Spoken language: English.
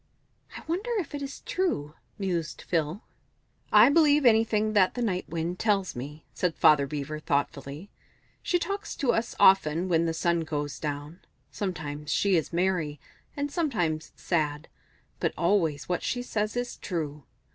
"I wonder if it is true?" mused Phil "I believe anything that the Night Wind tells me," said Father Beaver, thoughtfully. "She talks to us often when the sun goes down; sometimes she is merry, and sometimes sad, but always what she says is true.